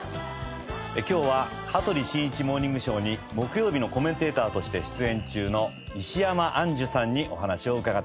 今日は『羽鳥慎一モーニングショー』に木曜日のコメンテーターとして出演中の石山アンジュさんにお話を伺っていきます。